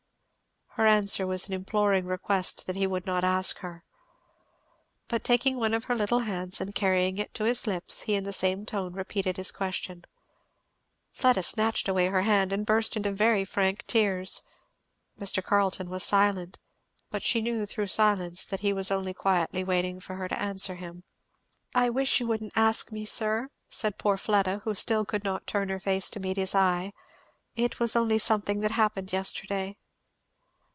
Her answer was an imploring request that he would not ask her. But taking one of her little hands and carrying it to his lips, he in the same tone repeated his question. Fleda snatched away her hand and burst into very frank tears; Mr. Carleton was silent, but she knew through silence that he was only quietly waiting for her to answer him. "I wish you wouldn't ask me, sir," said poor Fleda, who still could not turn her face to meet his eye; "It was only something that happened yesterday."